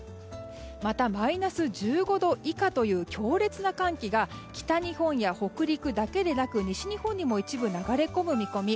またマイナス１５度以下という強烈な寒気が北日本や北陸だけでなく西日本にも一部、流れ込む見込み。